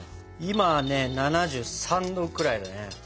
今ね７３℃くらいだね。